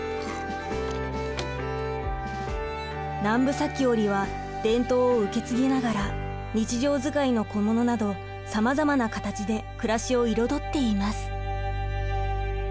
南部裂織は伝統を受け継ぎながら日常使いの小物などさまざまな形で暮らしを彩っています。